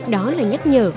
đó là nhắc nhở